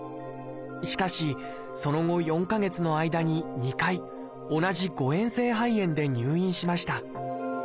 しかしその後４か月の間に２回同じ誤えん性肺炎で入院しました。